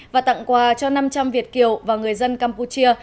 và tặng quà cho năm trăm linh việt kiều và người dân campuchia